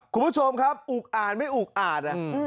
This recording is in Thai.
คุณผู้ชมครับอุกอ่านไม่อุกอ่าน